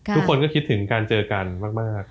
ทุกคนก็คิดถึงการเจอกันมาก